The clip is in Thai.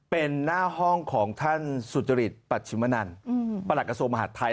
เป็นหน้าห้องของท่านสุจริตปัชชิมนันประหลักกระทรวงมหาดไทย